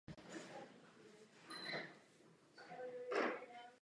Profesí byl právníkem a soudcem.